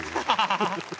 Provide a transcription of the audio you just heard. ハハハハ！